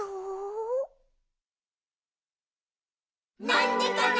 「なんでかな？